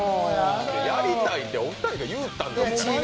やりたいってお二人が言うたんですから。